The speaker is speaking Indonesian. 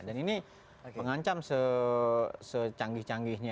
dan ini mengancam secanggih canggihnya